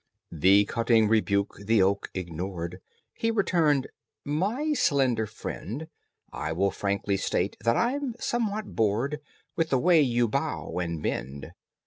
This cutting rebuke the oak ignored. He returned, "My slender friend, I will frankly state that I'm somewhat bored With the way you bow and bend."